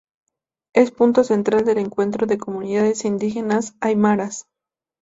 Es punto central de encuentro de comunidades indígenas aymaras.